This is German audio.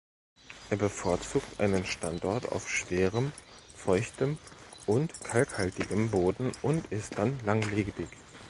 Er bevorzugt einen Standort auf schwerem, feuchtem und kalkhaltigem Boden und ist dann langlebig.